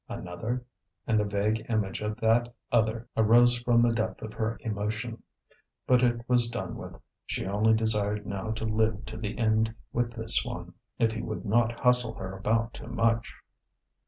Another? and the vague image of that other arose from the depth of her emotion. But it was done with; she only desired now to live to the end with this one, if he would not hustle her about too much.